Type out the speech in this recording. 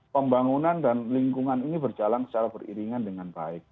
pembangunan dan lingkungan ini berjalan secara beriringan dengan baik